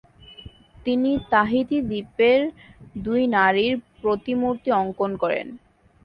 তিনি তাহিতি দ্বীপের দুই নারীর প্রতিমূর্তি অঙ্কন করেন।